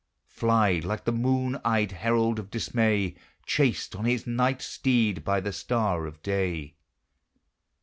Flv, like the moon eved herald of Dismay, Chased on his night steed by the star of day!